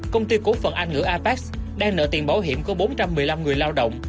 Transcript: công ty cổ phần anh ngữ apac đang nợ tiền bảo hiểm của bốn trăm một mươi năm người lao động